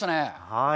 はい。